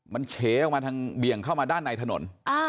มันเฉออกมาทางเบี่ยงเข้ามาด้านในถนน